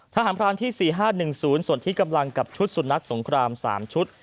ทหารพลานที่สี่ห้าหนึ่งศูนย์ส่วนที่กำลังกับชุดสุนักสงครามสามชุด